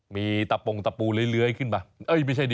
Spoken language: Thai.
มีตะปุงตะปูเล้ยขึ้นป่ะ